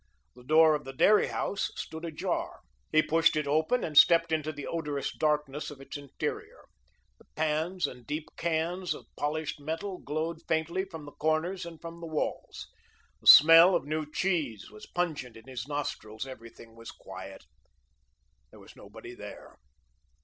The door of the dairy house stood ajar. He pushed it open, and stepped into the odorous darkness of its interior. The pans and deep cans of polished metal glowed faintly from the corners and from the walls. The smell of new cheese was pungent in his nostrils. Everything was quiet. There was nobody there.